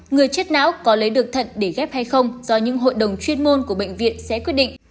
người chết não có lấy được thận để ghép hay không do những hội đồng chuyên môn của bệnh viện sẽ quyết định